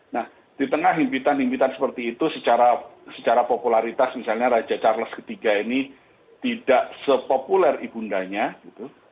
nah di tengah impitan impitan seperti itu secara popularitas misalnya raja charles iii ini tidak sepopuler ibundanya gitu